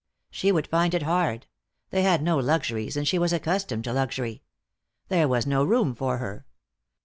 She would find it hard. They had no luxuries, and she was accustomed to luxury. There was no room for her.